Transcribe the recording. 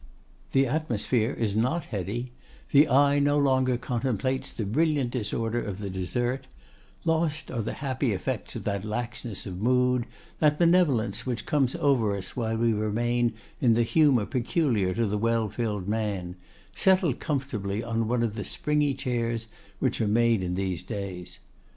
The atmosphere is not heady, the eye no longer contemplates the brilliant disorder of the dessert, lost are the happy effects of that laxness of mood, that benevolence which comes over us while we remain in the humor peculiar to the well filled man, settled comfortably on one of the springy chairs which are made in these days.